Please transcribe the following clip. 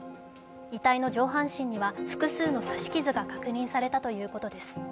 遺体の上半身には複数の刺し傷が確認されたということです。